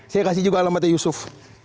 saya kasih juga alamatnya yusuf